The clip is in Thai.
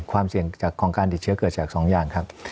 ความเสี่ยงจากของการติดเชื้อเกิดจาก๒อย่างครับ